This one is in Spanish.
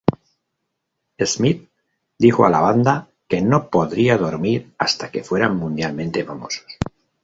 Smith dijo a la banda que "no podría dormir hasta que fueran mundialmente famosos".